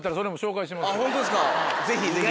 ホントですかぜひぜひ。